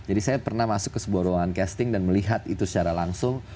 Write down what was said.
mungkin ada yang masuk ke sebuah ruangan casting dan melihat itu secara langsung